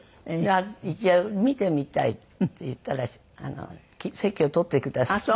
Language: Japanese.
ある日「一度見てみたい」って言ったら席を取ってくだすって。